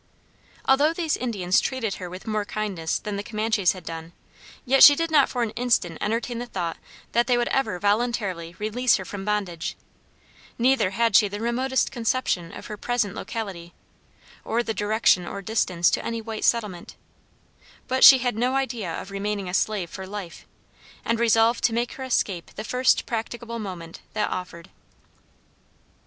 Although these Indians treated her with more kindness than the Comanches had done, yet she did not for an instant entertain the thought that they would ever voluntarily release her from bondage; neither had she the remotest conception of her present locality, or of the direction or distance to any white settlement; but she had no idea of remaining a slave for life, and resolved to make her escape the first practicable moment that offered.